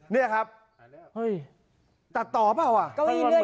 เนี่ยครับเฮ้ยตัดต่อเปล่าอ่ะก็ยินเลื่อนเอง